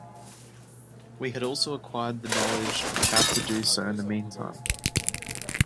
We had also acquired the knowledge of how to do so in the meantime.